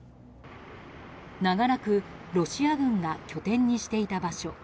長らくロシア軍が拠点にしていた場所